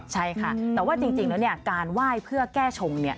ใช่ค่ะแต่ว่าจริงแล้วเนี่ยการไหว้เพื่อแก้ชง